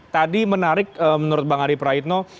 tadi menarik menurut bang arief raitno